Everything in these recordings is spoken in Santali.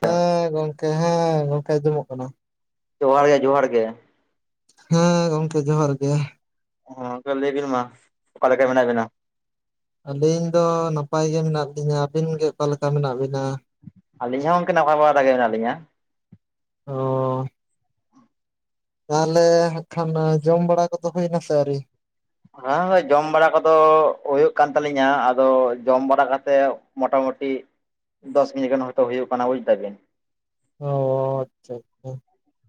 ᱦᱮᱸ ᱜᱚᱝᱠᱮ ᱦᱮᱸ ᱜᱚᱝᱠᱮ ᱫᱩᱲᱩᱵ ᱠᱟᱱᱟ ᱡᱚᱦᱟᱸᱲ ᱜᱮ ᱡᱚᱦᱟᱸᱲ ᱜᱮ ᱦᱮᱸ ᱜᱚᱝᱠᱮ ᱡᱚᱦᱟᱸᱨ ᱜᱮ ᱜᱚᱝᱠᱮ ᱞᱟᱹᱭ ᱵᱤᱱ ᱢᱟ ᱚᱠᱟᱞᱮᱠᱟ ᱢᱮᱱᱟᱜ ᱵᱤᱱᱟ ᱟᱹᱞᱤᱧ ᱫᱚ ᱱᱟᱯᱟᱭ ᱜᱮ ᱢᱮᱱᱟᱜ ᱞᱤᱧᱟᱹ ᱟᱹᱵᱤᱱ ᱜᱮ ᱚᱠᱟᱞᱮᱠᱟ ᱢᱮᱱᱟᱜ ᱵᱤᱱᱟ ᱟᱹᱞᱤᱧ ᱦᱚᱸ ᱜᱚᱝᱠᱮ ᱱᱟᱯᱟᱭ ᱵᱟᱲᱟ ᱜᱮ ᱢᱮᱱᱟᱜ ᱞᱤᱧᱟ ᱚᱻ ᱛᱟᱦᱚᱞᱮ ᱦᱟᱜ ᱠᱷᱟᱱ ᱡᱚᱢ ᱵᱟᱲᱟ ᱠᱚᱫᱚ ᱦᱩᱭᱱᱟᱥᱮ ᱟᱹᱣᱨᱤ? ᱦᱚᱸ ᱦᱚᱸ ᱡᱚᱢ ᱵᱟᱲᱟ ᱠᱚᱫᱚ ᱦᱩᱭᱩᱜ ᱠᱟᱱ ᱛᱟᱹᱞᱤᱧᱟ ᱟᱫᱚ ᱡᱚᱢ ᱵᱟᱲᱟ ᱠᱟᱛᱮᱜ ᱢᱳᱴᱟᱢᱩᱴᱤ ᱫᱚᱥ ᱠᱤᱡᱤ ᱜᱟᱱ ᱦᱚᱭᱛᱳ ᱦᱩᱭᱩᱜ ᱠᱟᱱᱟ ᱵᱩᱡᱽ ᱫᱟᱵᱤᱱ ᱚ ᱟᱪᱪᱷᱟ ᱟᱪᱪᱷᱟ᱾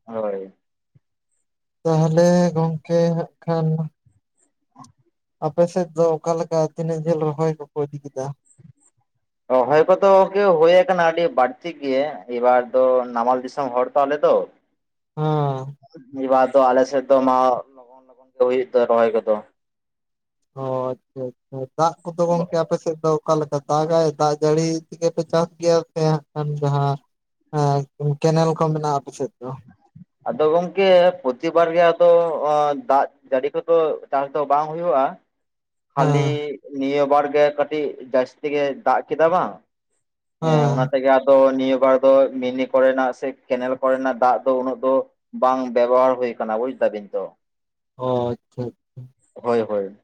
ᱦᱳᱭ ᱛᱟᱦᱚᱞᱮ ᱜᱚᱝᱠᱮ ᱦᱟᱸᱜ ᱠᱷᱟᱱ [inaudible] ᱟᱯᱮ ᱥᱮᱫ ᱫᱚ ᱚᱠᱟᱠᱟ ᱛᱤᱱᱟᱹᱜ ᱡᱷᱟᱹᱞ ᱨᱚᱦᱚᱭ ᱠᱚᱠᱚ ᱤᱫᱤ ᱠᱮᱫᱟ? ᱨᱚᱦᱚᱭ ᱠᱚᱫᱚ ᱦᱩᱭ ᱟᱠᱟᱱᱟ ᱟᱹᱰᱤ ᱵᱟᱹᱲᱛᱤ ᱜᱮ ᱮᱵᱟᱨ ᱫᱚ ᱱᱟᱢᱟᱞ ᱫᱤᱥᱚᱢ ᱦᱚᱲ ᱼᱼ ᱛᱚ ᱟᱞᱮ ᱫᱚ ᱦᱮᱸ ᱱᱤᱭᱮᱵᱟᱨ ᱫᱚ ᱟᱞᱮ ᱥᱮᱫ ᱫᱚ ᱢᱟ ᱞᱚᱜᱚᱱ ᱞᱚᱜᱚᱱ ᱜᱮ ᱦᱩᱭᱩᱜ ᱫᱚ ᱨᱚᱦᱚᱭ ᱠᱚᱫᱚ ᱚ ᱟᱪᱪᱷᱟ ᱟᱪᱪᱷᱟ ᱫᱟᱜ ᱠᱚᱫᱚ ᱜᱚᱝᱠᱮ ᱟᱯᱮᱥᱮᱫ ᱫᱚ ᱚᱠᱟᱞᱮᱠᱟ ᱫᱟᱜᱟᱭ ᱫᱟᱜ ᱡᱟᱹᱲᱤ ᱛᱮᱜᱮ ᱯᱮ ᱪᱟᱥ ᱜᱮᱭᱟ ᱥᱮ ᱠᱷᱟᱱ ᱡᱟᱦᱟᱸ ᱦᱮᱸ ᱠᱮᱱᱮᱞ ᱠᱚ ᱢᱮᱱᱟᱜᱼᱟ ᱟᱯᱮ ᱥᱮᱫ ᱫᱚ ᱟᱫᱚ ᱜᱚᱝᱠᱮ ᱯᱨᱚᱛᱤᱵᱟᱨ ᱜᱮ ᱟᱫᱚ ᱫᱟᱜ ᱜᱟᱹᱰᱤ ᱠᱚᱫᱚ ᱪᱟᱥ ᱫᱚ ᱵᱟᱝ ᱦᱩᱭᱩᱜᱼᱟ ᱠᱷᱟᱹᱞᱤ ᱦᱮᱸ ᱱᱤᱭᱟᱹ ᱵᱟᱨ ᱜᱮ ᱠᱟᱹᱴᱤᱡ ᱡᱟᱹᱥᱛᱤ ᱜᱮᱭ ᱫᱟᱜ ᱠᱮᱫᱟ ᱵᱟᱝ ᱦᱮᱸ ᱚᱱᱟ ᱮᱜᱟ ᱟᱫᱚ ᱱᱤᱭᱟᱹ ᱵᱟᱨ ᱫᱚ ᱢᱤᱱᱤ ᱠᱚᱨᱮᱱᱟᱜ ᱥᱮ ᱠᱮᱱᱮᱞ ᱠᱚᱨᱮᱱᱟᱜ ᱫᱟᱜ ᱫᱚ ᱩᱱᱟᱹᱜ ᱫᱚᱼᱼ ᱵᱟᱝ ᱵᱮᱵᱚᱦᱟᱨ ᱦᱩᱭ ᱟᱠᱟᱱᱟᱱᱟ ᱵᱩᱡ ᱫᱟ ᱵᱤᱱ ᱛᱚ᱾ ᱚᱻ ᱟᱪᱪᱷᱟ ᱦᱳᱭ ᱦᱳᱭ᱾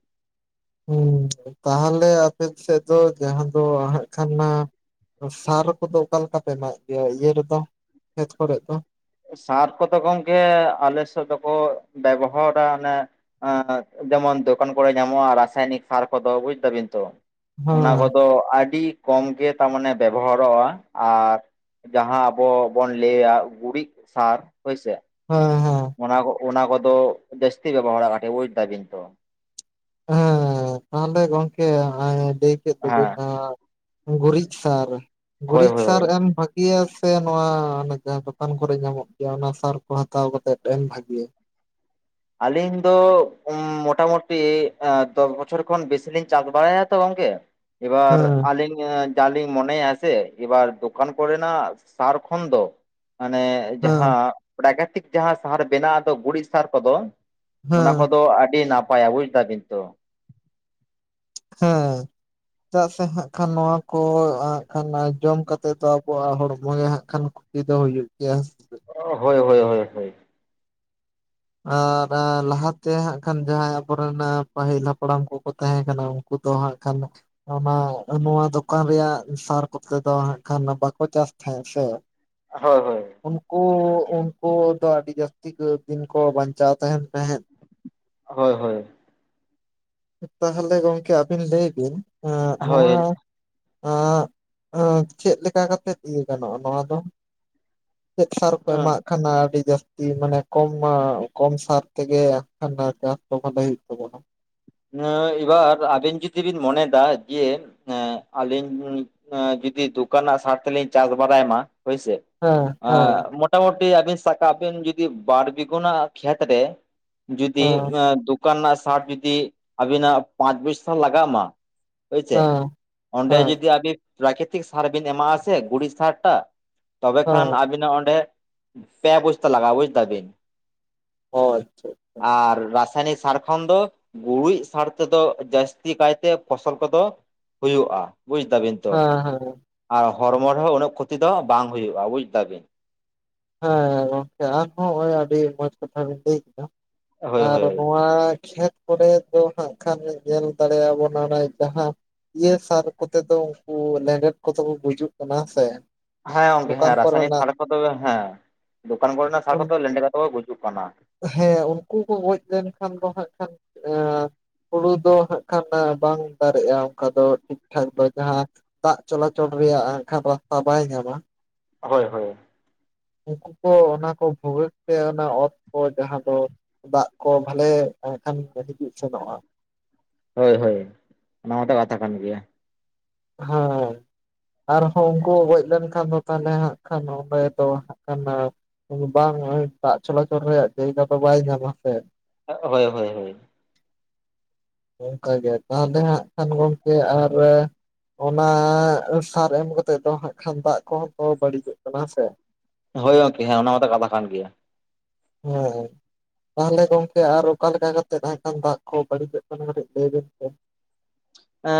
ᱦᱩᱸ ᱛᱟᱦᱚᱞᱮ ᱟᱯᱮ ᱥᱮᱫ ᱫᱚ ᱡᱟᱦᱟᱸ ᱫᱚ ᱟᱦᱟᱜ ᱠᱷᱟᱱ ᱢᱟᱼᱼ ᱥᱟᱨ ᱠᱚᱫᱚ ᱚᱠᱟ ᱞᱮᱠᱟ ᱯᱮ ᱮᱢᱟᱜ ᱜᱮᱭᱟ ᱤᱭᱟᱹ ᱨᱮᱫᱚ ᱠᱷᱮᱛ ᱠᱚᱨᱮᱫ ᱫᱚᱞ? ᱥᱟᱨ ᱠᱚᱫᱚ ᱜᱚᱢᱠᱮ ᱟᱞᱮ ᱥᱮᱫ ᱫᱚᱠᱚ ᱵᱮᱵᱚᱦᱟᱨᱟ ᱚᱱᱮ ᱡᱮᱢᱚᱱ ᱫᱚᱠᱟᱱ ᱠᱚᱨᱮ ᱧᱟᱢᱚᱜᱼᱟ ᱨᱟᱥᱟᱭᱚᱱᱤᱠ ᱥᱟᱨ ᱠᱚᱫᱚ ᱵᱩᱡ ᱫᱟᱵᱤᱱ ᱛᱚᱼᱼ ᱚᱱᱟ ᱦᱮᱸ ᱠᱚᱫᱚ ᱟᱹᱰᱤᱼᱼ ᱠᱚᱢ ᱜᱮ ᱛᱟᱨᱢᱟᱱᱮ ᱵᱮᱵᱚᱦᱟᱨᱚᱜᱼᱟ ᱟᱨ ᱡᱟᱦᱟᱸ ᱟᱵᱚ ᱵᱚᱱ ᱞᱟᱹᱭᱟ ᱜᱩᱨᱤᱡᱼᱼ ᱥᱟᱨ ᱦᱳᱭ ᱥᱮ ᱦᱮᱸ ᱦᱮᱸ ᱚᱱᱟ ᱠᱚ ᱚᱱᱟ ᱠᱚᱫᱚ ᱡᱟᱹᱥᱛᱤ ᱵᱮᱵᱚᱦᱟᱨᱟ ᱠᱟᱹᱴᱤᱡ ᱵᱩᱡᱽ ᱫᱟᱵᱤᱱ ᱛᱚ ᱦᱮᱸ ᱛᱟᱦᱚᱞᱮ ᱜᱚᱝᱠᱮ ᱞᱟᱹᱭ ᱠᱮᱫ ᱫᱚᱵᱤᱱ ᱦᱮᱸ ᱱᱟ ᱜᱩᱨᱤᱡ ᱥᱟᱨ ᱦᱳᱭ ᱜᱩᱨᱤᱡ ᱦᱳᱭ ᱥᱟᱨ ᱦᱳᱭ ᱮᱢ ᱵᱷᱟᱼᱼ ᱤᱭᱟ ᱥᱮ ᱱᱚᱣᱟ ᱮ ᱡᱟᱦᱟᱸ ᱫᱚᱠᱟᱱ ᱠᱚᱨᱮ ᱧᱟᱢᱚᱜ ᱜᱮᱭᱟ ᱚᱱᱟ ᱥᱟᱨ ᱠᱚ ᱦᱟᱛᱟᱣ ᱠᱟᱛᱮ ᱮᱢ ᱵᱷᱟᱜᱤᱭᱟ? ᱟᱞᱤᱧ ᱫᱚ ᱢᱚᱴᱟᱢᱩᱴᱤ ᱫᱚᱥ ᱵᱚᱪᱷᱚᱨ ᱠᱷᱚᱱ ᱵᱮᱥᱤ ᱞᱤᱧ ᱪᱟᱥ ᱵᱟᱲᱟᱭᱟ ᱛᱚ ᱜᱚᱝᱠᱮ ᱮᱵᱟᱨ ᱦᱮᱸ ᱟᱹᱞᱤᱧᱼᱼ ᱡᱤ ᱢᱚᱱᱮ ᱟᱥᱮ ᱮᱵᱟᱨ ᱫᱚᱠᱟᱱ ᱠᱚᱨᱮᱱᱟ ᱥᱟᱨᱠᱷᱚᱱ ᱫᱚ ᱢᱟᱱᱮᱻᱼ ᱦᱮᱸ ᱡᱟᱦᱟᱸ ᱯᱨᱟᱠᱛᱤᱠ ᱡᱟᱦᱟᱸ ᱥᱟᱦᱟᱨ ᱵᱮᱱᱟᱜᱼᱟ ᱫᱚ ᱜᱩᱨᱤᱡ ᱥᱟᱦᱟᱨ ᱠᱚᱫᱚᱼ ᱚᱱᱟ ᱦᱮᱸ ᱠᱚᱫᱚ ᱟᱹᱰᱤ ᱱᱟᱯᱟᱭᱟ ᱵᱩᱡᱽ ᱫᱟ ᱵᱤᱱ ᱛᱚ ᱦᱮᱸ ᱪᱮᱫᱟᱜ ᱥᱮ ᱦᱟᱸᱜ ᱠᱷᱟᱱ ᱱᱚᱣᱟ ᱠᱚᱼᱼ ᱠᱷᱟᱱ ᱡᱚᱢ ᱠᱟᱛᱮᱫ ᱫᱚ ᱟᱵᱚᱣᱟᱜ ᱦᱚᱲᱢᱚ ᱜᱮ ᱦᱟᱸᱜ ᱠᱷᱟᱱ ᱠᱷᱩᱛᱤ ᱫᱚ ᱦᱩᱭᱩᱜ ᱜᱮᱭᱟ ᱦᱮᱥᱮ ᱚ ᱦᱳᱭ ᱦᱳᱭ ᱦᱳ ᱦᱳᱭ᱾ ᱟᱨ ᱞᱟᱦᱟᱛᱮ ᱦᱟᱸᱜ ᱠᱷᱟᱱ ᱡᱟᱦᱟᱸᱭ ᱟᱵᱚᱨᱮᱱ ᱯᱟᱹᱦᱤᱞ ᱦᱟᱯᱲᱟᱢ ᱠᱚᱠᱚ ᱛᱟᱦᱮᱸ ᱠᱟᱱᱟ ᱠᱩᱫᱚ ᱠᱚ ᱦᱟᱸᱜ ᱠᱷᱟᱱ ᱚᱱᱟ ᱱᱚᱣᱟ ᱫᱚᱠᱟᱱ ᱨᱮᱭᱟᱜ ᱥᱟᱨ ᱠᱚᱛᱮ ᱫᱚ ᱦᱟᱜ ᱠᱷᱟᱱ ᱵᱟᱠᱚ ᱪᱟᱥ ᱛᱟᱦᱮᱸᱜ ᱥᱮ ᱦᱳᱭ ᱦᱳᱭ᱾ ᱩᱱᱠᱩ ᱩᱱᱠᱩ ᱫᱚ ᱟᱹᱰᱤ ᱡᱟᱹᱥᱛᱤ ᱠᱚ ᱫᱤᱱ ᱠᱚ ᱵᱟᱧᱪᱟᱣ ᱛᱟᱦᱮᱱ ᱛᱟᱦᱮᱫ ᱦᱳᱭ ᱦᱳᱭ᱾ ᱛᱟᱦᱞᱮ ᱜᱚᱝᱠᱮ ᱟᱹᱵᱤᱱ ᱞᱟᱹᱭ ᱵᱤᱱ ᱮᱸᱜ ᱱᱚᱣᱟ ᱦᱳᱭ ᱮᱸᱜ, ᱮᱸᱻ ᱪᱮᱫ ᱞᱮᱠᱟ ᱠᱟᱛᱮᱫ ᱤᱭᱟᱹ ᱜᱟᱱᱚᱜᱼᱟ ᱱᱚᱣᱟ ᱫᱚ ᱪᱮᱫ ᱥᱟᱨ ᱠᱚ ᱮᱢᱟᱜ ᱠᱟᱱᱟ ᱟᱹᱰᱤ ᱡᱟᱹᱥᱛᱤ ᱢᱟᱱᱮ ᱠᱚᱢ ᱠᱚᱢ ᱥᱟᱨ ᱛᱮᱜᱮ ᱪᱟᱥ ᱠᱚ ᱵᱷᱟᱞᱮ ᱦᱩᱭᱩᱜ ᱛᱟᱵᱚᱱᱟ᱾ ᱦᱮ ᱮᱵᱟᱨ ᱟᱵᱤᱱ ᱡᱩᱫᱤ ᱵᱤᱱ ᱢᱚᱱᱮᱭᱮᱫᱟ ᱡᱮ ᱦᱮᱸ ᱟᱞᱤᱧ ᱡᱩᱫᱤ ᱫᱚᱠᱟᱱ ᱱᱟᱜ ᱥᱟᱨ ᱛᱮᱞᱤᱧ ᱪᱟᱥ ᱵᱟᱲᱟᱭ ᱢᱟ ᱦᱳᱭᱥᱮ ᱦᱮᱸ ᱦᱮᱸ ᱮᱸ ᱢᱳᱴᱟᱢᱩᱴᱤ ᱟᱹᱵᱤᱱ ᱥᱟᱠᱟᱜ ᱵᱤᱱ ᱡᱩᱫᱤ ᱵᱟᱨ ᱵᱤᱜᱩᱱᱟᱜ ᱠᱷᱮᱛᱨᱮ ᱡᱩᱫᱤ ᱦᱮᱸ ᱫᱚᱠᱟᱱ ᱨᱮᱱᱟᱜ ᱥᱟᱨ ᱡᱩᱫᱤ ᱟᱵᱤᱱᱟᱜ ᱯᱟᱸᱪ ᱵᱚᱥᱛᱟ ᱞᱟᱜᱟᱜ ᱢᱟ᱾ ᱦᱳᱭ ᱥᱮ ᱦᱮᱸ ᱚᱸᱰᱮ ᱦᱮᱸ ᱡᱩᱫᱤ ᱟᱵᱤᱱ ᱯᱨᱟᱠᱨᱤᱛᱤᱠ ᱥᱟᱨ ᱵᱤᱱ ᱮᱢᱟᱜ ᱟᱥᱮ ᱜᱩᱨᱤᱡ ᱥᱟᱨ ᱴᱟ ᱛᱚᱵᱮ ᱠᱷᱟᱱ ᱦᱮᱸ ᱟᱹᱵᱤᱱᱟᱜ ᱚᱸᱰᱮ ᱯᱮ ᱵᱚᱥᱛᱟ ᱞᱟᱜᱟᱜᱼᱟ ᱵᱩᱡ ᱫᱟᱵᱤᱱ᱾ ᱚ ᱟᱪᱪᱷᱟ ᱟᱪᱪᱷᱟ᱾ ᱟᱨ ᱨᱟᱥᱟᱭᱱᱤᱠ ᱥᱟᱨ ᱠᱷᱚᱱ ᱫᱚ ᱜᱩᱨᱤᱡ ᱥᱟᱨ ᱛᱮᱫᱚ ᱡᱟᱹᱥᱛᱤ ᱠᱟᱭᱛᱮ ᱯᱷᱚᱥᱚᱞ ᱠᱚᱫᱚ ᱦᱩᱭᱩᱜᱼᱟ ᱵᱩᱡ ᱫᱟ ᱵᱤᱱ᱾ ᱦᱮᱸ ᱦᱮᱸ ᱟᱨ ᱦᱚᱲᱢᱚ ᱨᱮᱦᱚᱸ ᱩᱱᱟᱹᱜ ᱠᱷᱚᱛᱤ ᱫᱚ ᱵᱟᱝ ᱦᱩᱭᱩᱜᱼᱟ ᱵᱩᱡᱽ ᱫᱟ ᱵᱤᱱ᱾ ᱦᱮᱸ ᱜᱚᱝᱠᱮ ᱟᱨᱦᱚᱸ ᱦᱚᱜᱼᱟᱹᱰᱤ ᱢᱚᱸᱡᱽ ᱠᱟᱛᱷᱟ ᱵᱮᱤᱱ ᱞᱟᱹᱭ ᱠᱮᱫᱟ᱾ ᱦᱳᱭ ᱟᱨ ᱦᱳᱭ ᱱᱚᱣᱟ ᱠᱷᱮᱛ ᱠᱚᱨᱮ ᱫᱚ ᱦᱟᱸᱜ ᱠᱷᱟᱱ ᱧᱮᱞ ᱫᱟᱲᱮᱭᱟᱵᱚᱱ ᱦᱟᱱᱮ ᱡᱟᱦᱟᱸ ᱤᱭᱟᱹ ᱥᱟᱨ ᱠᱚᱛᱮ ᱫᱚ ᱩᱱᱠᱩ ᱞᱮᱸᱰᱮᱫ ᱠᱚᱛᱮ ᱠᱚ ᱜᱩᱡᱩᱜ ᱠᱟᱱᱟ ᱦᱮᱸ ᱥᱮ᱾ ᱦᱮᱸ ᱜᱚᱝᱠᱮ ᱫᱚᱠᱟᱱ ᱦᱮᱸ ᱨᱟᱥᱟᱭᱚᱱᱤᱠ ᱠᱚᱨᱮᱱᱟᱜ ᱥᱟᱨ ᱠᱚᱫᱚ ᱦᱮᱸ ᱫᱚᱠᱟᱱ ᱠᱚᱨᱮᱱᱟᱜ ᱥᱟᱨ ᱠᱚᱫᱚ ᱞᱮᱸᱰᱮ ᱠᱟᱛᱮ ᱠᱚ ᱜᱩᱡᱩᱜ ᱠᱟᱱᱟ᱾ ᱦᱮᱸ ᱩᱱᱠᱩ ᱠᱚ ᱜᱚᱡ ᱞᱮᱱᱠᱷᱟᱱ ᱫᱚ ᱦᱟᱸᱷ ᱠᱷᱟᱱ ᱮᱸ ᱦᱩᱲᱩ ᱫᱚ ᱦᱟᱸᱜ ᱠᱷᱟᱱ ᱵᱟᱝ ᱫᱟᱨᱮᱜᱼᱟ ᱚᱱᱠᱟ ᱫᱚ ᱴᱷᱤᱠ ᱴᱷᱟᱠ ᱫᱚ ᱡᱟᱦᱟᱸ ᱫᱟᱜ ᱪᱚᱞᱟᱪᱚᱞ ᱨᱮᱭᱟᱜ ᱟᱠᱷᱟ ᱨᱟᱥᱛᱟ ᱵᱟᱭ ᱧᱟᱢᱟ᱾ ᱦᱳᱭ ᱦᱳᱭ ᱩᱜᱠᱩ ᱠᱚ ᱚᱱᱟ ᱠᱚ ᱵᱷᱩᱜᱟᱹᱜ ᱛᱮ ᱚᱱᱟ ᱚᱛ ᱠᱚ ᱡᱟᱦᱟᱸ ᱫᱚ ᱫᱟᱜ ᱠᱚ ᱵᱷᱟᱞᱮ ᱮᱸᱰᱮᱠᱷᱟᱱ ᱦᱤᱡᱩᱜ ᱥᱮᱱᱚᱜᱼᱟ᱾ ᱦᱳᱭ ᱦᱳᱭ ᱚᱱᱟ ᱢᱟᱛᱚ ᱠᱟᱛᱷᱟ ᱠᱟᱱ ᱜᱮᱭᱟ᱾ ᱦᱮᱸ ᱟᱨᱦᱚᱸ ᱩᱝᱠᱩ ᱜᱚᱡ ᱞᱮᱱᱠᱷᱟᱱ ᱫᱚ ᱛᱟᱦᱞᱮ ᱦᱟᱸᱜ ᱠᱷᱟᱱ ᱚᱸᱰᱮ ᱫᱚ ᱦᱟᱸᱜ ᱠᱟᱱᱟ ᱵᱟᱝ ᱱᱚᱜᱼᱚᱭ ᱫᱟᱜ ᱪᱚᱞᱟᱪᱚᱞ ᱨᱮᱭᱟᱜ ᱡᱟᱭᱜᱟ ᱫᱚ ᱵᱟᱭ ᱧᱟᱢᱟ ᱥᱮ᱾ ᱦᱳᱭ ᱦᱳᱭ ᱦᱳᱭ᱾ ᱚᱝᱠᱟ ᱜᱮ ᱛᱟᱦᱞᱮ ᱦᱟᱸᱜ ᱠᱷᱟᱱ ᱜᱚᱝᱠᱮ ᱟᱨ ᱚᱱᱟ ᱥᱟᱨ ᱮᱢ ᱠᱟᱛᱮᱜ ᱫᱚ ᱦᱟᱸᱜ ᱠᱷᱟᱱ ᱫᱟᱜ ᱠᱚᱦᱚᱸ ᱛᱚ ᱵᱟᱹᱲᱤᱡᱚᱜ ᱠᱟᱱᱟ ᱦᱮᱸᱥᱮ᱾ ᱦᱳᱭ ᱜᱚᱝᱠᱮ ᱦᱮᱸ ᱚᱱᱟ ᱢᱟᱛᱚ ᱠᱟᱛᱷᱟ ᱠᱟᱱ ᱜᱮᱭᱟ᱾ ᱦᱮᱸ ᱦᱮ ᱛᱟᱦᱞᱮ ᱜᱚᱝᱠᱮ ᱟᱨ ᱚᱠᱟ ᱞᱮᱠᱟ ᱠᱟᱛᱮᱜ ᱦᱟᱸᱜ ᱠᱟᱱ ᱫᱟᱜ ᱠᱚ ᱵᱟᱹᱲᱤᱡᱚᱜ ᱠᱟᱱᱟ ᱠᱟᱹᱴᱤᱡ ᱞᱟᱹᱭᱵᱤᱱ ᱥᱮ? ᱮᱸ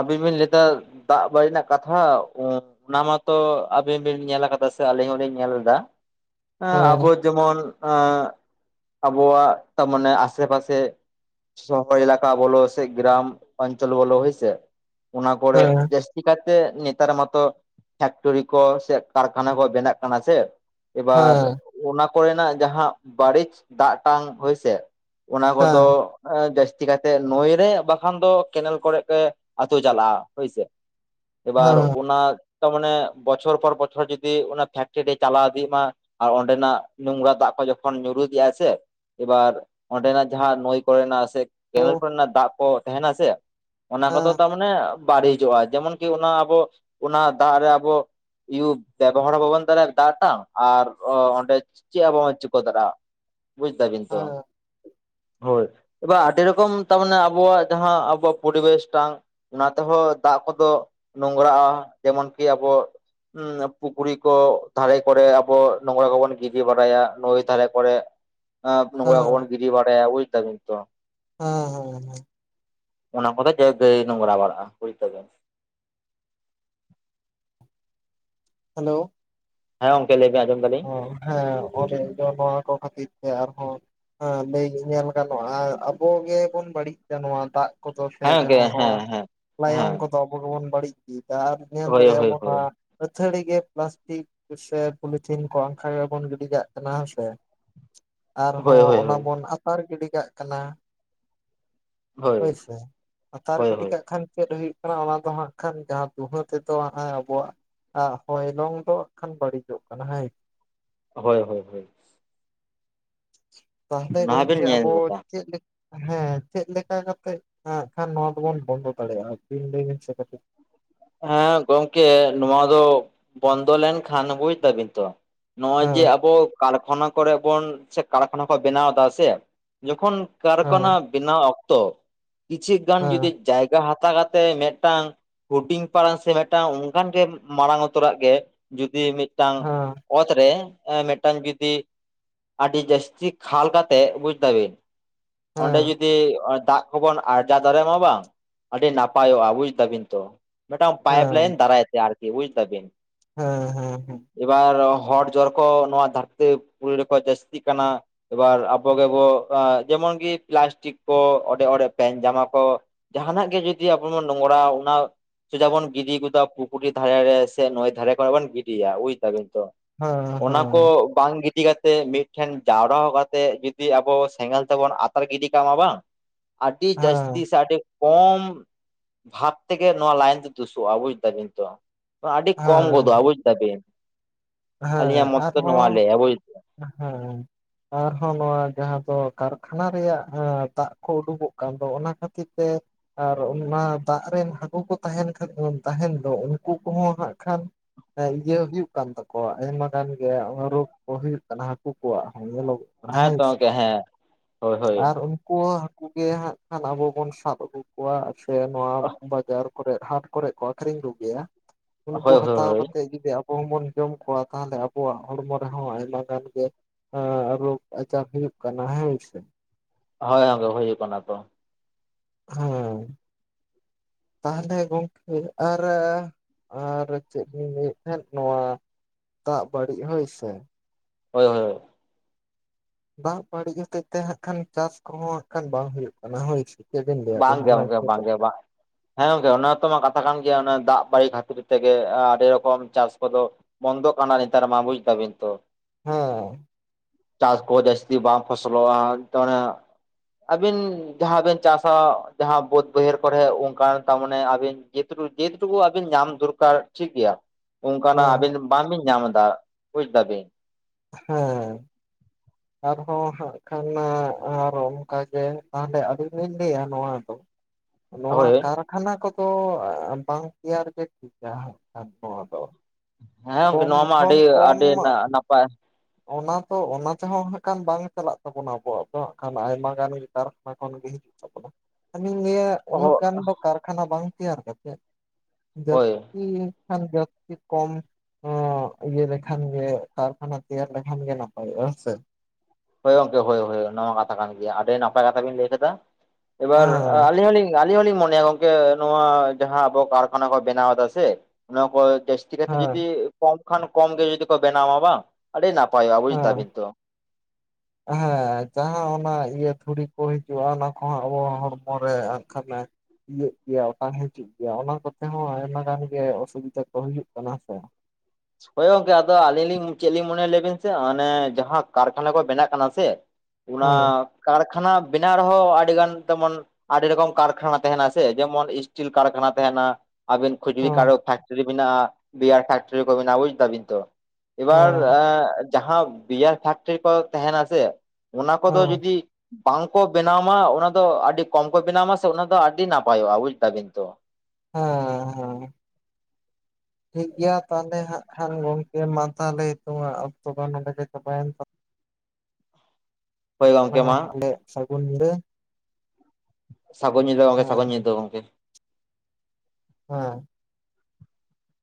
ᱟᱵᱤᱱ ᱵᱤᱱ ᱞᱟᱹᱭ ᱫᱟ ᱫᱟᱜ ᱵᱟᱲᱤᱡ ᱨᱮᱱᱟᱜ ᱠᱟᱛᱷᱟ᱾ ᱚᱱᱟ ᱢᱟᱛᱚ ᱟᱵᱤᱱ ᱵᱤᱱ ᱧᱮᱞ ᱟᱠᱟᱫᱟ ᱥᱮ ᱟᱹᱞᱤᱧ ᱦᱚᱞᱤᱧ ᱧᱮᱞ ᱮᱫᱟ ᱦᱮᱸ ᱟᱵᱚ ᱡᱮᱢᱚᱱ ᱮᱸ ᱟᱵᱚᱣᱟᱜ ᱛᱟᱢᱟᱱᱮ ᱟᱥᱮ ᱯᱟᱥᱮ᱾ ᱥᱚᱦᱚᱨ ᱮᱞᱟᱠᱟ ᱵᱚᱞᱳ ᱥᱮ ᱜᱨᱟᱢ ᱚᱧᱪᱚᱞ ᱵᱚᱞᱳ ᱦᱚᱭ ᱥᱮ ᱚᱱᱟ ᱠᱚᱨᱮ ᱦᱮᱸ ᱡᱮᱥ ᱛᱤ ᱠᱟᱭᱛᱮ ᱧᱮᱛᱟᱨ ᱢᱟᱛᱚ ᱯᱷᱮᱠᱴᱨᱤ ᱠᱚ ᱥᱮ ᱠᱟᱹᱨᱠᱷᱟᱱᱟ ᱠᱚ ᱵᱮᱱᱟᱜ ᱠᱟᱱᱟ ᱥᱮ᱾ ᱮᱵᱟᱨ ᱦᱮᱸ ᱚᱱᱟ ᱠᱚᱨᱮᱱᱟᱜ ᱡᱟᱦᱟᱸ ᱵᱟᱹᱲᱤᱪ ᱫᱟᱜᱴᱟᱝ ᱦᱳᱭᱥᱮ᱾ ᱚᱱᱟ ᱦᱮᱸ ᱠᱚᱫᱚ ᱡᱟᱹᱥᱛᱤ ᱠᱟᱛᱮᱜ ᱱᱳᱭ ᱨᱮ ᱵᱟᱠᱷᱟᱱ ᱫᱚ ᱠᱮᱱᱮᱞ ᱠᱚᱨᱮᱜ ᱛᱮ ᱟᱹᱛᱩ ᱪᱟᱞᱟᱜᱼᱟ ᱦᱳᱭᱥᱮ ᱮᱵᱟᱨ ᱦᱮᱸ ᱚᱱᱟ ᱛᱟᱢᱟᱱᱮ ᱵᱚᱪᱷᱚᱨ ᱯᱚᱨ ᱵᱚᱪᱷᱚᱨ ᱡᱩᱚᱫᱤ ᱚᱱᱟ ᱯᱷᱮᱠᱴᱨᱤ ᱪᱟᱞᱟᱣ ᱤᱫᱤᱜ ᱢᱟ ᱟᱨ ᱚᱸᱰᱮᱱᱟᱜ ᱱᱚᱝᱨᱟ ᱫᱟᱜ ᱠᱚ ᱡᱚᱠᱷᱚᱱ ᱧᱩᱨᱩ ᱤᱫᱤᱜᱼᱟ ᱥᱮ᱾ ᱮᱵᱟᱨ ᱚᱸᱰᱮᱱᱟᱜ ᱡᱟᱦᱟᱸ ᱱᱳᱹᱭ ᱠᱚᱨᱮᱱᱟᱜ ᱥᱮ ᱳ ᱠᱮᱱᱮᱞ ᱠᱚᱨᱮᱱᱟᱜ ᱫᱟᱜ ᱠᱚ ᱛᱟᱦᱮᱱᱟ ᱥᱮ᱾ ᱚᱱᱟ ᱠᱚᱫᱚ ᱦᱮᱸ ᱛᱟᱢᱟᱱᱮ ᱵᱟᱹᱲᱤᱡᱚᱜᱼᱟ ᱡᱮᱢᱚᱱᱠᱤ ᱚᱱᱟ ᱟᱵᱚ ᱚᱱᱟ ᱫᱟᱜ ᱨᱮ ᱟᱵᱚ ᱤᱭᱩᱵ ᱵᱮᱵᱚᱦᱟᱨ ᱦᱚᱸ ᱵᱟᱵᱚᱱ ᱛᱟᱞᱮ ᱫᱟᱜ ᱴᱟᱝ ᱟᱨ ᱚᱸᱰᱮ ᱪᱮᱜ ᱦᱚᱸᱵᱟᱚᱱ ᱪᱤᱠᱟᱹ ᱫᱟᱲᱮᱜᱼᱟ᱾ ᱵᱩᱡ ᱫᱟᱵᱤᱱ ᱛᱚ᱾ ᱦᱮᱸ ᱦᱳᱭ ᱮᱵᱟᱨ ᱟᱹᱰᱤ ᱨᱚᱠᱚᱢ ᱛᱟᱢᱟᱱᱮ ᱟᱵᱚᱣᱟᱜ ᱡᱟᱦᱟᱸ ᱟᱵᱚ ᱯᱚᱨᱤᱵᱮᱥᱴᱟᱝ ᱚᱱᱟ ᱛᱮᱦᱚᱸ ᱫᱟᱜ ᱠᱚᱫᱚ ᱱᱚᱝᱨᱟᱜᱼᱟ ᱡᱮᱢᱚᱱ ᱠᱤ ᱟᱵᱚ ᱦᱩᱸ ᱯᱩᱠᱷᱨᱤ ᱠᱚ ᱫᱷᱟᱨᱮ ᱠᱚᱨᱮ ᱟᱵᱚ ᱱᱚᱝᱨᱟ ᱠᱚᱵᱚᱱ ᱜᱤᱰᱤ ᱵᱟᱲᱟᱭᱟ ᱱᱟᱹᱭ ᱫᱷᱟᱨᱮ ᱠᱚᱨᱮᱜ᱾ ᱟᱸ ᱱᱚᱝᱨᱟ ᱠᱚᱵᱚᱱ ᱦᱮᱸ ᱜᱤᱰᱤ ᱵᱟᱰᱟᱭᱟ ᱵᱩᱡ ᱫᱟᱵᱤᱱ ᱛᱚ᱾ ᱦᱩᱸ ᱦᱩᱸ ᱦᱩᱸ ᱚᱱᱟ ᱠᱚᱫᱚ [unintelligible] ᱱᱳᱝᱨᱟ ᱵᱟᱲᱟᱜᱼᱟ ᱦᱮᱞᱳ ᱦᱮ ᱜᱚᱝᱠ ᱞᱟᱹᱭ ᱵᱮᱱ ᱟᱸᱡᱚᱢ ᱫᱟᱞᱤᱧ᱾ ᱚ ᱦᱮᱸ ᱚᱸᱰᱮ ᱫᱚ ᱱᱚᱣᱟ ᱠᱚ ᱠᱷᱟᱹᱛᱤᱨ ᱛᱮ ᱟᱨᱦᱚᱸ ᱦᱮᱸ ᱞᱟᱹᱭ ᱧᱮᱞ ᱜᱟᱱᱚᱜᱼᱟ ᱟᱵᱚ ᱜᱮᱵᱚᱱ ᱵᱟᱹᱲᱤᱡᱫᱟ ᱱᱚᱣᱟ ᱫᱟᱜ᱾ ᱠᱚᱫᱚ ᱥᱮ ᱦᱮᱸ ᱜᱚᱝᱠᱮ ᱡᱟᱦᱟᱸ ᱦᱮᱸ ᱱᱚᱣᱟ ᱦᱮᱸ ᱞᱟᱭᱚᱝ ᱦᱮᱸ ᱠᱚᱫᱚ ᱵᱚ ᱜᱮ ᱵᱚᱱ ᱵᱟᱹᱲᱤᱡ ᱤᱫᱤᱭᱫᱟ ᱟᱨ ᱧᱮᱞ ᱦᱳᱭ ᱫᱟᱲᱮᱟᱜ ᱦᱳᱭ ᱟᱵᱚᱱ ᱟᱸ ᱱᱚᱣᱟ ᱦᱳᱭ ᱟᱹᱛᱷᱟᱹᱲᱤ ᱜᱮ ᱯᱞᱟᱥᱴᱤᱠ ᱥᱮ ᱯᱩᱞᱤ ᱛᱷᱤᱱ ᱠᱚ ᱟᱝᱠᱷᱟ ᱜᱮ ᱵᱚᱱ ᱜᱤᱰᱤ ᱠᱟᱜ ᱠᱟᱱᱟ ᱦᱮᱸᱥᱮ ᱦᱳᱭ ᱟᱨᱦᱚᱸ ᱦᱳᱭ ᱚᱱᱟ ᱦᱳᱭ ᱦᱳᱭ ᱵᱚᱱ ᱟᱨ ᱜᱤᱰᱤ ᱠᱟᱜ ᱠᱟᱱᱟ ᱦᱳᱭ ᱥᱮ ᱟᱛᱟᱨ ᱦᱳᱭ ᱜᱤᱰᱤ ᱠᱟᱜ ᱠᱷᱟᱱ ᱪᱮᱫ ᱦᱩᱭᱩᱜ ᱠᱟᱱᱟ ᱚᱱᱟ ᱫᱚ ᱦᱟᱸᱜ ᱠᱷᱟᱱ ᱡᱟᱦᱟᱸ ᱫᱩᱦᱟᱹ ᱛᱮᱫᱚ [unintelligible] ᱟᱵᱚᱣᱟᱜ ᱟ ᱦᱚᱭᱞᱚᱝ ᱫᱚ ᱟᱜ-ᱠᱷᱟᱱ ᱵᱟᱹᱲᱤᱡᱚᱜ ᱠᱟᱱᱟ ᱦᱮᱸ ᱦᱳᱭ ᱦᱳᱭ ᱦᱳᱭ ᱛᱟᱦᱚᱞᱮ ᱚᱱᱟ ᱦᱚᱸᱵᱤᱱ ᱜᱚᱝᱠᱮ ᱧᱮᱞ ᱟᱵᱚ ᱞᱮᱫᱟ ᱪᱮᱫ ᱞᱮᱠᱟ ᱦᱮᱸ ᱪᱮᱫ ᱞᱮᱠᱟ ᱠᱟᱛᱮᱜ ᱱᱟᱜ-ᱠᱷᱟᱱ ᱱᱚᱣᱟ ᱫᱚᱵᱚᱱ ᱵᱚᱱᱫᱚ ᱫᱟᱲᱮᱭᱟᱜᱼᱟᱵᱤᱱ ᱞᱟᱹᱭ ᱵᱤᱱ ᱥᱮ ᱠᱟᱹᱴᱤᱡ ᱦᱮᱸ ᱜᱚᱝᱠᱮ ᱱᱚᱣᱟ ᱫᱚ ᱵᱚᱱᱫᱚ ᱞᱮᱱᱠᱷᱟᱱ ᱵᱩᱡ ᱫᱟᱵᱤᱱ ᱛᱚ ᱱᱚᱜ-ᱚᱭ ᱡᱮ ᱦᱮᱸ ᱟᱵᱚ ᱠᱟᱨᱠᱷᱟᱱᱟ ᱠᱚᱨᱮ ᱵᱚᱱ ᱥᱮ ᱠᱟᱨᱠᱷᱟᱱᱟ ᱠᱚ ᱵᱮᱱᱟᱣ ᱮᱫᱟ ᱥᱮ ᱡᱚᱠᱷᱚᱱ ᱠᱟᱨᱠᱷᱟᱱᱟ ᱦᱮᱸ ᱵᱮᱱᱟᱣ ᱚᱠᱛᱚ ᱠᱤᱪᱷᱩ ᱜᱟᱱ ᱦᱮᱸ ᱡᱩᱫᱤ ᱡᱟᱭᱜᱟ ᱦᱟᱛᱟᱣ ᱠᱟᱛᱮ ᱢᱤᱫᱴᱟᱝ ᱦᱩᱰᱤᱧ ᱯᱟᱨᱟᱝ ᱥᱮ ᱢᱤᱫᱴᱟᱝ ᱚᱱᱠᱟᱱ ᱜᱮ ᱢᱟᱲᱟᱝ ᱩᱛᱟᱹᱨᱟᱜ ᱜᱮ ᱡᱩᱫᱤ ᱢᱤᱫ ᱢᱤᱫᱴᱟᱝ ᱦᱮᱸ ᱚᱛ ᱨᱮ ᱮᱸ ᱢᱤᱫᱴᱟᱝ [unintelligible] ᱟᱹᱰᱤ ᱡᱟᱹᱥᱛᱤ ᱠᱷᱟᱞ ᱠᱟᱛᱮ ᱵᱩᱡ ᱫᱟᱵᱤᱱ ᱚᱸᱰᱮ ᱦᱮᱸ ᱡᱩᱫᱤ ᱫᱟᱜ ᱠᱚ ᱵᱚᱱ ᱟᱨᱡᱟᱣ ᱫᱟᱲᱮᱭᱟᱜ ᱢᱟ ᱵᱟᱝ ᱟᱹᱰᱤ ᱱᱟᱯᱟᱭᱚᱜᱼᱟ ᱵᱩᱡ ᱫᱟᱵᱤᱱ ᱛᱚ ᱢᱤᱫᱴᱟᱝ ᱯᱟᱭᱤᱯ ᱦᱮᱸ ᱞᱟᱭᱤᱱ ᱫᱟᱨᱟᱭ ᱛᱮ ᱟᱨᱠᱤ ᱵᱩᱡᱽ ᱫᱟᱵᱤᱱ ᱦᱮᱸ ᱦᱮᱸ ᱦᱮᱸ ᱮᱵᱟᱨ ᱦᱚᱲ ᱡᱚᱨ ᱠᱚ ᱱᱚᱣᱟ ᱫᱷᱟᱹᱨᱛᱤ ᱯᱩᱨᱤ ᱨᱮᱠᱚ ᱡᱟᱹᱥᱛᱤᱜ ᱠᱟᱱᱟ ᱮᱵᱟᱨ ᱟᱵᱚ ᱜᱮᱵᱚ ᱮᱸ ᱡᱮᱢᱚᱱ ᱜᱮ ᱯᱞᱟᱥᱴᱤᱠ ᱠᱚ ᱚᱲᱮᱡ ᱚᱲᱮᱡ ᱯᱮᱱᱴ ᱡᱟᱢᱟ ᱠᱚ ᱡᱟᱦᱱᱟᱜ ᱜᱮ ᱡᱩᱫᱤ ᱟᱵᱚ ᱱᱚᱝᱨᱟ ᱚᱱᱟ ᱪᱮᱫᱟᱜ ᱵᱚᱱ ᱜᱤᱰᱤ ᱜᱚᱫᱟ ᱯᱩᱠᱷᱨᱤ ᱫᱷᱟᱨᱮ ᱨᱮ ᱥᱮ ᱱᱟᱹᱭ ᱫᱷᱟᱨᱮ ᱠᱚᱨᱮ ᱵᱚᱱ ᱜᱤᱰᱤᱭᱟ ᱵᱩᱡᱽ ᱫᱟᱵᱤᱱ ᱛᱚ ᱦᱮᱸ ᱚᱱᱟ ᱠᱚ ᱵᱟᱝ ᱜᱤᱰᱤ ᱠᱟᱛᱮ ᱢᱤᱫ ᱴᱷᱮᱱ ᱡᱟᱣᱨᱟ ᱠᱟᱛᱮ ᱡᱩᱫᱤ ᱟᱵᱚ ᱥᱮᱸᱜᱮᱞ ᱛᱮᱵᱚᱱ ᱟᱛᱟᱨ ᱜᱤᱰᱤ ᱠᱟᱜᱼᱟ ᱵᱟᱝ [inaudible] ᱟᱹᱰᱤ ᱡᱟᱹᱥᱛᱤ ᱦᱮᱸ ᱥᱮ ᱟᱹᱰᱤ ᱠᱚᱢ ᱵᱷᱟᱵ ᱛᱮᱜᱮ ᱱᱚᱣᱟ ᱞᱟᱭᱤᱱ ᱫᱩᱥᱚᱜ-ᱟ ᱵᱩᱡᱽ ᱫᱟᱵᱤᱱ ᱛᱚ ᱟᱹᱰᱤ ᱦᱮᱸ ᱠᱚᱢ ᱜᱚᱫᱚᱜᱼᱟ ᱦᱮᱸ ᱵᱩᱡᱽ ᱫᱟᱵᱤᱱ ᱦᱮᱸ ᱟᱞᱤᱧᱟᱜ ᱢᱚᱛ ᱛᱮ ᱱᱚᱣᱟ ᱟᱨᱦᱚᱸ ᱞᱟᱹᱭᱟᱭ ᱵᱩᱡᱽ ᱫᱟᱢ ᱦᱮᱸ ᱟᱨᱦᱚᱸ ᱱᱚᱣᱟ ᱡᱟᱦᱟᱸ ᱫᱚ ᱠᱟᱨᱠᱷᱟᱱᱟ ᱨᱮᱭᱟᱜ ᱮᱸ ᱫᱟᱜ ᱠᱚ ᱩᱰᱩᱠᱚᱜ ᱠᱟᱱ ᱫᱚ ᱚᱱᱟ ᱠᱷᱟᱹᱛᱤᱨ ᱛᱮ ᱟᱨ ᱚᱱᱟ ᱫᱟᱜ ᱨᱮᱱ ᱦᱟᱹᱠᱩ ᱠᱚ ᱛᱟᱦᱮᱱ ᱠᱷᱟᱱ ᱛᱟᱦᱮᱱ ᱫᱚ ᱩᱱᱠᱩ ᱠᱚᱦᱚᱸ ᱦᱟᱸᱜ ᱠᱷᱟᱱ ᱮᱸ ᱤᱭᱟᱹ ᱦᱩᱭᱩᱜ ᱠᱟᱱ ᱛᱟ ᱠᱚ ᱟᱭᱢᱟ ᱜᱟᱱ ᱜᱮ ᱨᱳᱜᱽ ᱠᱚ ᱦᱩᱭᱩᱜ ᱠᱟᱱᱟ ᱦᱟᱹᱠᱩ ᱠᱚᱣᱟᱜ ᱦᱚᱸ ᱧᱮᱞᱚᱜ ᱦᱮᱸ ᱛᱚ ᱜᱚᱝᱠᱮ ᱦᱮᱸ ᱦᱳᱭ ᱦᱳᱭ ᱟᱨ ᱦᱟᱹᱠᱩ ᱦᱚᱸ ᱦᱟᱹᱠᱩ ᱜᱮ ᱦᱟᱸᱜ ᱠᱷᱟᱱ ᱟᱵᱚ ᱵᱚᱱ ᱥᱟᱵ ᱟᱹᱜᱩ ᱠᱚᱣᱟ ᱥᱮ ᱱᱚᱣᱟ ᱵᱟᱡᱟᱨ ᱠᱚᱨᱮ ᱦᱟᱴ ᱠᱚᱨᱮ ᱠᱚ ᱟᱠᱷᱨᱤᱧ ᱠᱚᱜᱮᱭᱟ ᱩᱱᱠᱩ ᱦᱳᱭ ᱦᱟᱛᱟᱣ ᱦᱳᱭ ᱦᱳᱭ ᱠᱟᱛᱮᱫ ᱡᱩᱫᱤ ᱟᱵᱚ ᱦᱚᱸᱵᱚᱱ ᱡᱚᱢ ᱠᱚᱣᱟ ᱛᱟᱦᱚᱞᱮ ᱟᱵᱚᱣᱟ ᱦᱚᱲᱢᱚ ᱨᱮᱦᱚᱸ ᱟᱭᱢᱟ ᱜᱟᱱ ᱜᱮ ᱟᱨ ᱨᱳᱜ ᱟᱡᱟᱨ ᱦᱩᱭᱩᱠᱟᱱᱟ ᱦᱮᱸ ᱥᱮ ᱦᱳᱭ ᱚᱱᱟᱜᱮ ᱦᱤᱡᱩᱜ ᱠᱟᱱᱟ ᱛᱚ ᱦᱮᱸ ᱛᱟᱦᱚᱞᱮ ᱜᱚᱝᱠᱮ ᱟᱨ ᱟᱨ ᱪᱮᱫ ᱤᱧ ᱞᱟᱹᱭᱮᱫ ᱛᱟᱦᱮᱸᱱ ᱱᱚᱣᱟ ᱫᱟᱸ ᱵᱟᱹᱲᱤᱡ ᱦᱚᱭᱥᱮ ᱦᱳᱭ ᱦᱳᱭ ᱦᱳᱭ ᱫᱟᱸ ᱵᱟᱹᱲᱤᱡ ᱦᱚᱛᱮᱡ ᱛᱮ ᱦᱟᱸᱜ ᱠᱷᱟᱱ ᱪᱟᱥ ᱠᱚᱦᱚᱸ ᱦᱟᱸ ᱠᱷᱟᱱ ᱵᱟᱝ ᱦᱩᱭᱩᱜ ᱠᱟᱱᱟ ᱦᱳᱭᱥᱮ ᱵᱟᱝ ᱜᱮ ᱚᱱᱠᱟ ᱵᱟᱝ ᱜᱮ ᱵᱟᱝ ᱦᱮᱸ ᱜᱚᱝᱠᱮ ᱚᱱᱟ ᱛᱚ ᱢᱟ ᱠᱟᱛᱷᱟ ᱠᱟᱱ ᱜᱮᱭᱟ ᱫᱟᱸ ᱵᱟᱝ ᱠᱷᱟᱹᱛᱤᱨ ᱛᱮᱜᱮ ᱟᱹᱰᱤ ᱨᱚᱠᱚᱢ ᱪᱟᱥ ᱠᱚᱫᱚᱻᱻ ᱵᱚᱱᱫᱚ ᱠᱟᱱᱟ ᱱᱮᱛᱟᱨ ᱢᱟ ᱵᱩᱡ ᱫᱟᱵᱤᱱ ᱛᱚ ᱦᱮᱸ ᱪᱟᱥ ᱠᱚ ᱡᱟᱹᱥᱛᱤ ᱵᱟᱝ ᱯᱷᱚᱥᱚᱞᱚᱜᱼᱟ ᱛᱮ ᱟᱹᱵᱤᱱ ᱡᱟᱦᱟᱸᱵᱤᱱ ᱪᱟᱥᱟ ᱡᱟᱦᱟᱸ ᱵᱟᱹᱫᱽ ᱵᱟᱹᱭᱦᱟᱹᱲ ᱠᱚᱨᱮ ᱚᱱᱠᱟᱱ ᱛᱟ ᱢᱟᱱᱮ ᱟᱹᱵᱤᱱ ᱡᱮ ᱡᱮᱴᱩᱠᱩ ᱟᱵᱤᱱ ᱧᱟᱢ ᱫᱚᱨᱠᱟᱨ ᱴᱷᱤᱠ ᱜᱮᱭᱟ ᱚᱱᱠᱟᱱᱟᱜ ᱦᱮᱸ ᱟᱵᱤᱱ ᱵᱟᱝ ᱵᱤᱱ ᱧᱟᱢ ᱮᱫᱟ ᱵᱩᱡ ᱫᱟᱵᱤᱱ ᱦᱮᱸ ᱟᱨᱦᱚᱸ ᱦᱟᱸᱜ ᱠᱷᱟᱱ ᱟᱨ ᱚᱱᱠᱟᱜᱮ ᱛᱟᱦᱚᱞᱮ ᱟᱹᱞᱤᱧ ᱞᱤᱧ ᱞᱟᱹᱭᱟ ᱱᱚᱣᱟ ᱫᱚ ᱱᱚᱣᱟ ᱦᱳᱭ ᱠᱟᱨ ᱦᱟᱱᱟ ᱠᱚᱫᱚ ᱵᱟᱝ ᱛᱮᱭᱟᱨ ᱜᱮ ᱴᱷᱤᱠᱟ ᱟᱵᱚ ᱫᱚ ᱦᱮᱸ ᱜᱚᱝᱠᱮ ᱠᱚᱢ ᱱᱚᱣᱟ ᱢᱟ ᱠᱷᱚᱱ ᱟᱹᱰᱤ ᱠᱚᱢ ᱟᱹᱰᱤ ᱱᱟᱯᱟᱭ ᱚᱱᱟ ᱛᱚ ᱚᱱᱟ ᱛᱮᱦᱚᱸ ᱦᱟᱸᱜ ᱠᱷᱟᱱ ᱵᱟᱝ ᱪᱟᱞᱟᱜ ᱛᱟᱵᱚᱱᱟ ᱟᱵᱚᱣᱟᱜ ᱫᱚ ᱦᱟᱸᱜ ᱠᱷᱟᱱ ᱟᱭᱢᱟ ᱜᱟᱱ ᱜᱮ ᱠᱟᱨᱟᱱᱟ ᱠᱷᱚᱱᱜᱮ [unintelligible] ᱞᱟᱹᱭᱟ ᱩᱱᱟᱹᱜ ᱜᱟᱱ ᱦᱳᱭ ᱫᱚ ᱠᱟᱨᱠᱷᱟᱱᱟ ᱵᱟᱝ ᱛᱮᱭᱟᱨ ᱠᱟᱛᱮᱫ ᱡᱻ ᱦᱮᱸ ᱠᱷᱟᱱ ᱡᱟᱹᱥᱛᱤ ᱠᱚᱢ ᱦᱳ ᱤᱭᱟᱹ ᱞᱮᱠᱷᱟᱱ ᱜᱮ ᱠᱟᱨᱠᱷᱟᱱᱟ ᱛᱮᱭᱟᱨ ᱞᱮᱠᱷᱟᱱ ᱜᱮ ᱱᱟᱯᱟᱭ ᱦᱮᱸᱥᱮ ᱦᱳᱭ ᱜᱚᱝᱠᱮ ᱦᱳᱭ ᱦᱳᱭ ᱚᱱᱟ ᱢᱟ ᱠᱟᱛᱷᱟ ᱠᱟᱱ ᱜᱮᱭᱟ ᱟᱹᱰᱤ ᱱᱟᱯᱟᱭ ᱠᱟᱛᱷᱟ ᱵᱤᱱ ᱞᱟᱹᱭ ᱠᱟᱫᱟ ᱮᱵᱟᱨ ᱦᱮᱸ ᱟᱹᱞᱤᱧ ᱦᱚᱸᱞᱤᱧ ᱟᱹᱞᱤᱧ ᱦᱚᱞᱤᱧ ᱢᱚᱱᱮᱭᱟ ᱜᱚᱝᱠᱮ ᱱᱚᱣᱟ ᱡᱟᱦᱟᱸ ᱟᱵᱚ ᱠᱟᱨᱠᱷᱟᱱᱟ ᱠᱚ ᱵᱮᱱᱟᱣ ᱫᱟ ᱥᱮ ᱚᱱᱟ ᱠᱚ ᱪᱤᱠᱟᱛᱮ ᱦᱮᱸ ᱡᱩᱫᱤ ᱠᱚᱢ ᱠᱷᱟᱱ ᱠᱚᱢ ᱜᱮ ᱡᱚᱫᱤ ᱠᱚ ᱵᱮᱱᱟᱣᱟ ᱵᱟᱝ ᱟᱹᱰᱤ ᱱᱟᱯᱟ-ᱟ ᱦᱮᱸ ᱵᱩᱡᱫᱟᱵᱤᱱ ᱛᱚ [inaudible] ᱦᱮᱸ ᱡᱟᱦᱟᱸ ᱚᱱᱟ ᱤᱭᱟᱹ ᱫᱷᱩᱲᱤ ᱠᱚ ᱦᱤᱡᱩᱜ-ᱟ ᱚᱱᱟ ᱠᱚᱦᱚᱸ ᱟᱵᱚ ᱦᱚᱲᱢᱚᱨᱮ ᱠᱷᱟᱱ ᱤᱭᱟᱹ ᱜᱮᱭᱟ ᱚᱴᱟᱝ ᱦᱤᱡᱩᱜ ᱜᱮᱭᱟ ᱚᱱᱟ ᱠᱚᱛᱮ ᱦᱚᱸ ᱟᱭᱢᱟ ᱜᱟᱱ ᱜᱮ ᱚᱥᱩᱵᱤᱫᱟ ᱠᱚ ᱦᱩᱭᱩᱜ ᱠᱟᱱᱟ ᱦᱮᱸᱥᱮ ᱦᱳᱭ ᱜᱚᱝᱠᱮ ᱟᱫᱚ ᱟᱹᱞᱤᱧ ᱞᱤᱧ ᱪᱮᱫ ᱞᱤᱧ ᱢᱚᱱᱮᱭᱟ ᱞᱟᱸᱭ ᱵᱤᱱ ᱥᱮ ᱦᱟᱱᱮ ᱡᱟᱦᱟᱸ ᱠᱟᱨᱠᱷᱟᱱᱟ ᱠᱚ ᱵᱮᱱᱟᱜ ᱠᱟᱱᱟ ᱥᱮ ᱚᱱᱟ ᱦᱮᱸ ᱠᱟᱨᱠᱷᱟᱱᱟ ᱵᱮᱱᱟᱣ ᱨᱮᱦᱚᱸ ᱟᱹᱰᱤ ᱜᱟᱱ ᱛᱮᱢᱚᱱ ᱟᱹᱰᱤ ᱨᱚᱠᱚᱢ ᱠᱟᱨᱠᱷᱟᱱᱟ ᱛᱟᱦᱮᱱᱟ ᱥᱮ ᱡᱮᱢᱚᱱ ᱤᱥᱴᱤᱞ ᱠᱟᱨᱠᱷᱟᱱᱟ ᱛᱟᱦᱮᱱᱟ ᱟᱵᱤᱱ ᱠᱟᱠᱷᱨᱮ ᱡᱩᱫᱤ ᱠᱟᱨᱚ ᱦᱮᱸ ᱯᱷᱮᱠᱴᱨᱤᱤ ᱢᱮᱱᱟᱜ-ᱟ ᱵᱤᱭᱟᱨ ᱯᱷᱮᱠᱴᱨᱤᱤ ᱠᱚᱵᱱᱟ ᱵᱩᱡ ᱫᱟᱵᱤᱱ ᱛᱚ ᱮᱵᱟᱨ ᱦᱮᱸ ᱡᱟᱦᱟᱸ ᱵᱤᱭᱟᱨ ᱯᱷᱮᱠᱴᱟᱨᱤ ᱠᱚ ᱛᱟᱦᱮᱱᱟᱥᱮ ᱚᱱᱟ ᱠᱚᱫᱚ ᱦᱮᱸ ᱡᱩᱫᱤ ᱵᱟᱝᱠᱚ ᱵᱮᱱᱟᱣᱢᱟ ᱚᱱᱟ ᱫᱚ ᱟᱹᱰᱤ ᱠᱚᱢ ᱠᱚ ᱵᱮᱱᱟᱣᱢᱟ ᱥᱮ ᱚᱱᱟ ᱫᱚ ᱟᱹᱰᱤ ᱱᱟᱯᱟᱭ-ᱟ ᱵᱩᱡ ᱫᱟᱵᱤᱱ ᱛᱚ ᱦᱮᱸ ᱦᱮᱸ ᱴᱷᱤᱠ ᱜᱮᱭᱟ ᱛᱟᱦᱚᱞᱮ ᱦᱟᱸᱜ ᱠᱷᱟᱱ ᱜᱚᱝᱠᱮ ᱢᱟ ᱛᱟᱦᱚᱞᱮ ᱱᱤᱛᱚᱜ-ᱟ ᱚᱠᱛᱚ ᱫᱚ ᱱᱚᱰᱮ ᱜᱮ ᱪᱟᱵᱟᱭᱮᱱ ᱛᱟᱞᱟᱝ-ᱟ ᱦᱳᱭ ᱜᱚᱝᱠᱮ ᱦᱮᱸ ᱢᱟ ᱛᱟᱦᱚᱞᱮ ᱥᱟᱹᱜᱩᱱ ᱧᱤᱫᱟᱹ ᱥᱟᱹᱜᱩᱱ ᱧᱤᱫᱟᱹ ᱜᱚᱝᱠᱮ ᱦᱮᱸ ᱥᱟᱹᱜᱩᱱ ᱧᱤᱫᱟᱹ ᱜᱚᱝᱠᱮ ᱦᱮᱸ